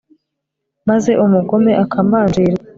maze umugome akamanjirwa